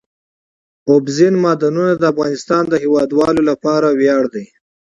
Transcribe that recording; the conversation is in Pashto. اوبزین معدنونه د افغانستان د هیوادوالو لپاره ویاړ دی.